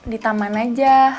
di taman aja